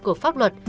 của pháp luật